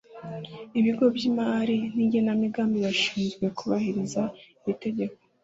Ibigo by’imari n’ igenamigambi bashinzwe kubahiriza iri tegeko